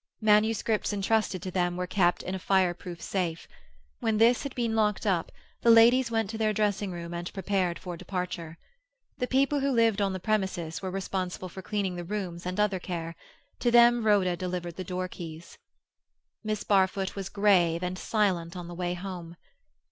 Manuscripts entrusted to them were kept in a fire proof safe. When this had been locked up, the ladies went to their dressing room and prepared for departure. The people who lived on the premises were responsible for cleaning the rooms and other care; to them Rhoda delivered the door keys. Miss Barfoot was grave and silent on the way home.